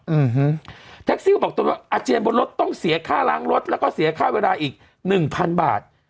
อืมแท็กซี่ก็บอกตนว่าอาเจียนบนรถต้องเสียค่าล้างรถแล้วก็เสียค่าเวลาอีกหนึ่งพันบาท